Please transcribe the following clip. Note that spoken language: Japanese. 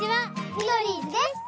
ミドリーズです！